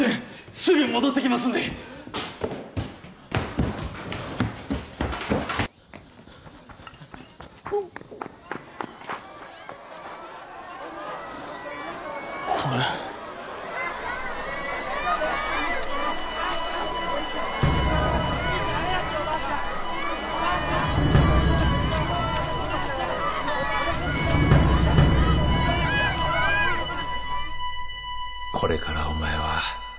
すぐ戻ってきますんでこれ・これからお前は